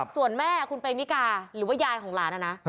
ส่วนแม่คุณเปมวิกาคุณหรือยายของหลานนะ